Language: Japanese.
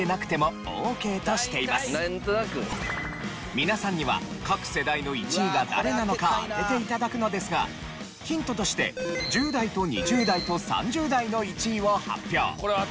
皆さんには各世代の１位が誰なのか当てて頂くのですがヒントとして１０代と２０代と３０代の１位を発表。